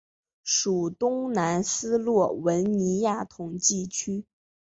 属东南斯洛文尼亚统计区。